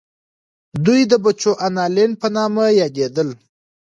دوی د بچوانالنډ په نامه یادېدل.